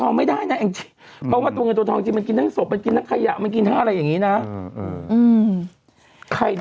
กำลังหมดเศร้าเงินตัวทองไว้ไว้ถึงโดนกัด